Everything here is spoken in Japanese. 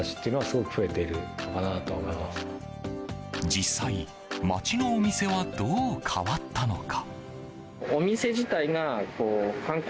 実際、街のお店はどう変わったのか？